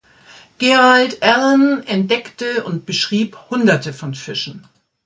Gerald Allen entdeckte und beschrieb hunderte von Fischen.